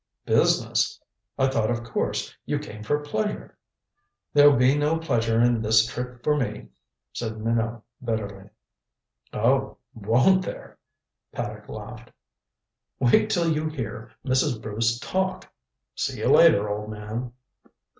"Business? I thought, of course, you came for pleasure." "There'll be no pleasure in this trip for me," said Minot bitterly. "Oh, won't there?" Paddock laughed. "Wait till you hear Mrs. Bruce talk. See you later, old man."